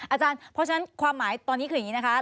อาจารย์เพราะฉะนั้นความหมายตอนนี้คืออย่างนี้นะคะ